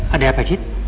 ada apa cid